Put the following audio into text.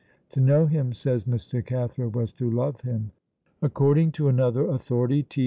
'To know him,' says Mr. Cathro, 'was to love him.'" According to another authority, T.